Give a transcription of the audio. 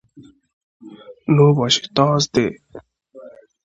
n'ụbọchị Tọzdee